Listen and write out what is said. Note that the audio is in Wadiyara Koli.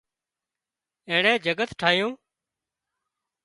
اينڻي جڳت ٺاهيون